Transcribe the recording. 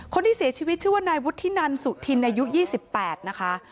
คนที่เสียชีวิตชื่อว่านายวุฒินันสุธินอายุ๒๘นะคะ